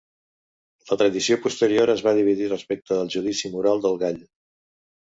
La tradició posterior es va dividir respecte al judici moral del gall.